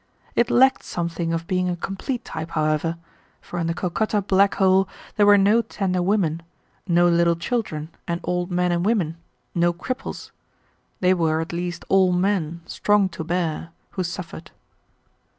It lacked something of being a complete type, however, for in the Calcutta Black Hole there were no tender women, no little children and old men and women, no cripples. They were at least all men, strong to bear, who suffered.